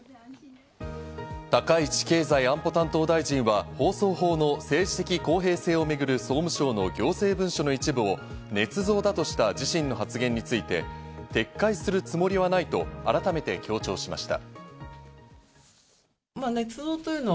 高市経済安保担当大臣は放送法の政治的公平性をめぐる、総務省の行政文書の一部を「ねつ造」だとした自身の発言について、撤回するつもりはないと改めて強調しました。